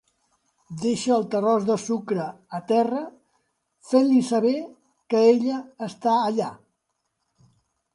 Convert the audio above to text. Deixa el terròs de sucre a terra, fent-li saber que ella està allà.